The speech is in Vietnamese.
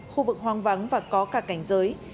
khu vực hoang vắng và có cả cảnh giới